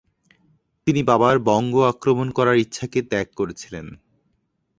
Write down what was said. তিনি বাবার বঙ্গ আক্রমণ করার ইচ্ছাকে ত্যাগ করেছিলেন।